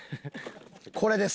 これです。